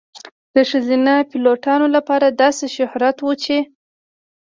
د ښځینه پیلوټانو لپاره داسې شهرت وي چې .